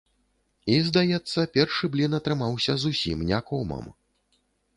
І, здаецца, першы блін атрымаўся зусім не комам.